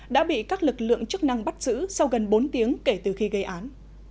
đã bị các lực lượng chức năng bắt giữ sau gần bốn tiếng kể từ khi gây án